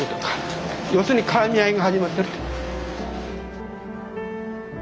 要するにからみ合いが始まった。